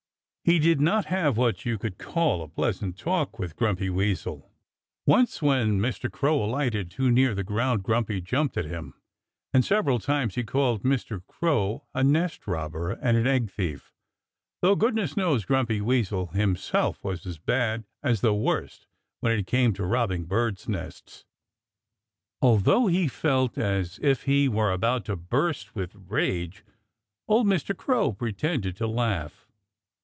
He did not have what you could call a pleasant talk with Grumpy Weasel. Once when Mr. Crow alighted too near the ground Grumpy jumped at him. And several times he called Mr. Crow a nest robber and an egg thief, though goodness knows Grumpy Weasel himself was as bad as the worst when it came to robbing birds' nests. Although he felt as if he were about to burst with rage old Mr. Crow pretended to laugh.